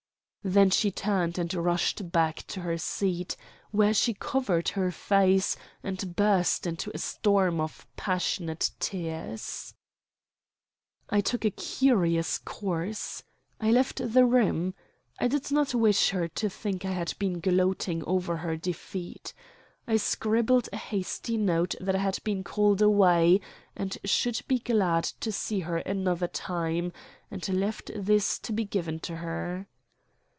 Then she turned and rushed back to her seat, where she covered her face and burst into a storm of passionate tears. I took a curious course. I left the room. I did not wish her to think I had been gloating over her defeat. I scribbled a hasty note that I had been called away, and should be glad to see her another time, and left this to be given to her.